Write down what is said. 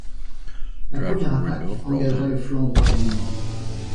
La première attaque engagea le flanc droit de l’ennemi.